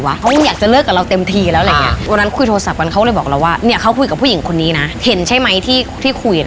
ไม่โวยวายแล้วทำตัวปกติทำตัวปกติแล้วเขาก็คุยกันไปเรื่อย